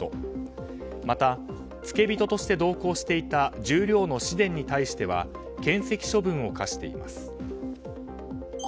また付き人として同行していた十両の紫雷に対してはけん責処分を科しています。